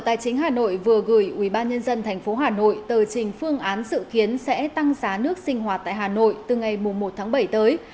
tài chính hà nội vừa gửi ubnd tp hà nội tờ trình phương án dự kiến sẽ tăng giá nước sinh hoạt tại hà nội từ ngày một tháng bảy tới